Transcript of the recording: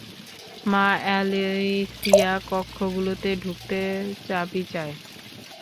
মা, অ্যালিসিয়া কক্ষগুলোতে ঢুকতে চাবি চায়।